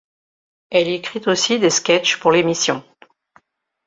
Elle écrit aussi des sketchs pour l'émission.